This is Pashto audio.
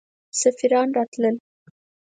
سفیران راتلل.